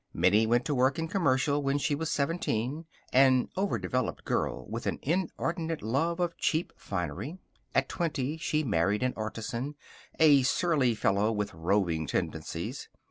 Minnie went to work in Commercial when she was seventeen, an overdeveloped girl with an inordinate love of cheap finery. At twenty, she married an artisan, a surly fellow with roving tendencies.